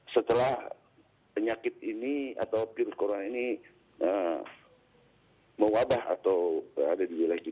setelah penyakit ini atau covid sembilan belas ini mewabah atau berada di wilayah kita